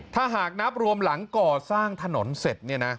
ถ้าหากนับรวมหลังก่อสร้างถนนเสร็จเนี่ยนะ